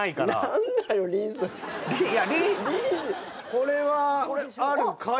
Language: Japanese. これはあるかい？